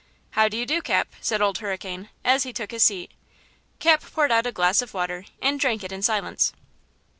"How do you do, Cap?" said Old Hurricane, as he took his seat. Capitola poured out a glass of water and drank it in silence.